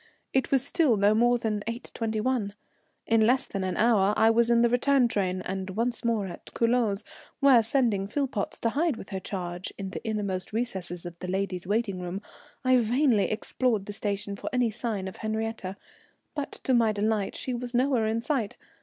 It was still no more than 8.21. In less than an hour I was in the return train and once more at Culoz, where, sending Philpotts to hide with her charge in the inmost recesses of the ladies' waiting room, I vainly explored the station for any signs of Henriette, but to my delight she was nowhere in sight.